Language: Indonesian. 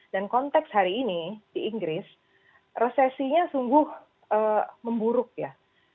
dan konteks hari ini di inggris resesinya sungguh memburuk ya